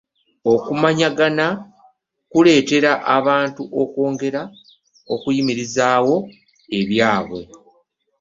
okumanyaganya kuleetera abantu okwongera okwenyumiriza mu byabwe.